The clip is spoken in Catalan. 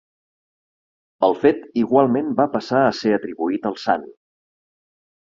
El fet igualment va passar a ser atribuït al sant.